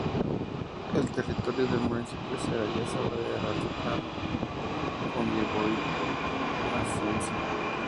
El territorio del municipio se halla sobre el altiplano Cundiboyacense.